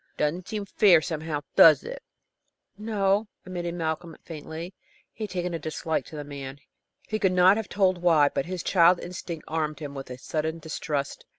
It doesn't seem fair now, does it?" "No," admitted Malcolm, faintly. He had taken a dislike to the man. He could not have told why, but his child instinct armed him with a sudden distrust.